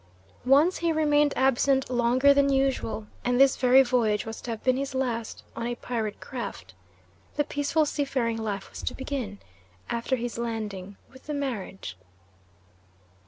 Once he remained absent longer than usual, and this very voyage was to have been his last on a pirate craft the peaceful seafaring life was to begin, after his landing, with the marriage.